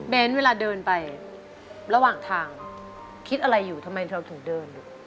เวลาเดินไประหว่างทางคิดอะไรอยู่ทำไมเราถึงเดิน